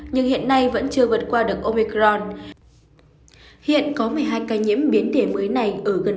nhưng hiện nay vẫn chưa vượt qua được opecron hiện có một mươi hai ca nhiễm biến thể mới này ở gần